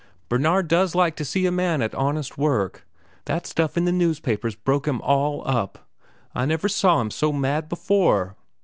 Bernard does like to see a man at honest work. That stuff in the newspapers broke 'm all up. I never saw 'm so mad before."